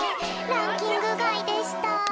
ランキングがいでした。